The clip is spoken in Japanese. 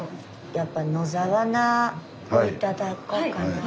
やっぱ野沢菜を頂こうかな。